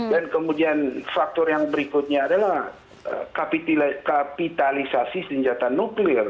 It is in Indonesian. dan kemudian faktor yang berikutnya adalah kapitalisasi senjata nuklir